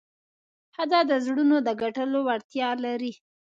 ښځه د زړونو د ګټلو وړتیا لري.